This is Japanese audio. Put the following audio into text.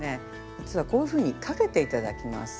実はこういうふうに掛けて頂きます。